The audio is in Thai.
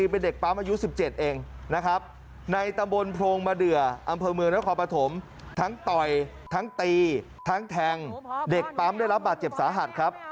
เป็นเด็กปั๊มอายุ๑๗เองนะครับในตำบลโพรงมาเดืออำเภอเมืองนครปฐมทั้งต่อยทั้งตีทั้งแทงเด็กปั๊มได้รับบาดเจ็บสาหัสครับ